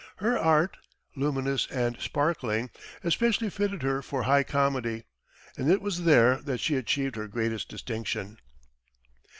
Her art, luminous and sparkling, especially fitted her for high comedy, and it was there that she achieved her greatest distinction.